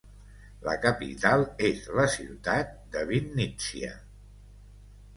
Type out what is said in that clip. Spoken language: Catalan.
La capital és la ciutat de Vínnitsia.